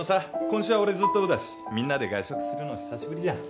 今週は俺ずっとオフだしみんなで外食するの久しぶりじゃん。